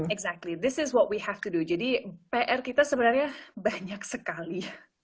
exactly this is what we have to do jadi pr kita sebenarnya banyak sekali